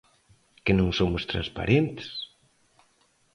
¿Que non somos transparentes?